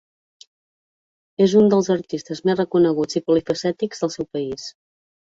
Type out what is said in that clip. És un dels artistes més reconeguts i polifacètics del seu país.